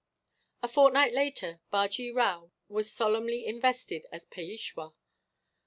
A fortnight later, Bajee Rao was solemnly invested as Peishwa.